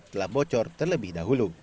telah bocor terlebih dahulu